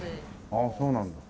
ああそうなんだ。